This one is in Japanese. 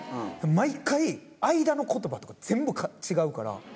毎回、間のことばとか全部違うから。